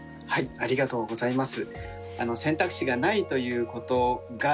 ありがとうございます。